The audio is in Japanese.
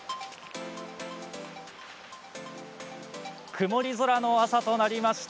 曇り空の朝となりました。